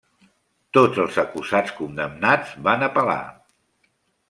Tots els acusats condemnats van apel·lar.